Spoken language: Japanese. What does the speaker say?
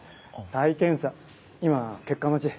再検査今結果待ち。